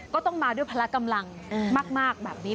ก็ต้องมาด้วยพละกำลังมากแบบนี้